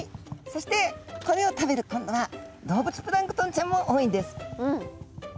そしてこれを食べる今度は動物プランクトンちゃんも多いんです。